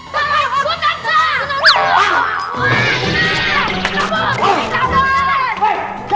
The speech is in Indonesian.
tidak tidak tidak